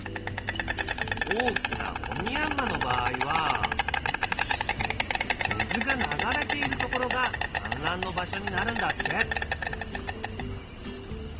大きなオニヤンマの場合は水が流れているところが産卵の場所になるんだって。